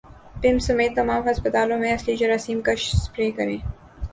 پمز سمیت تمام ھسپتالوں میں اصلی جراثیم کش سپرے کریں